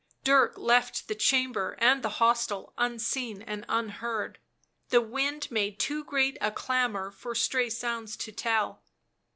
Dirk left the chamber and the hostel unseen and unheard. The wind made too great a clamour for stray sounds to tell.